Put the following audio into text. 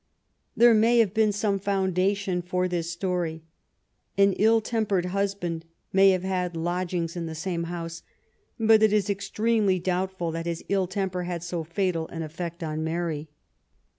There may have been some foundation for this story. An ill tempered husband may have had lodgings in the same house ; but it is extremely doubtful that hi» ill temper had so fatal an efiFeet on Mary.